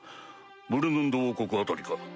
ブルムンド王国あたりか？